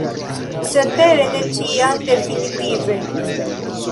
Cetere ne ĉiam definitive.